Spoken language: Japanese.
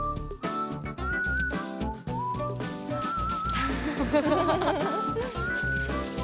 アハハハ。